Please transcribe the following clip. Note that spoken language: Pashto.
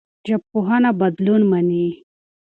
ژبپوهنه بدلون مني.